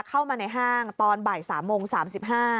เข้ามาในห้างตอนบ่าย๓โมง๓๕นาที